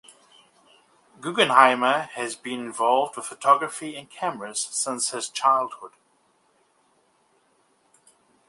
Guggenheimer has been involved with photography and cameras since his childhood.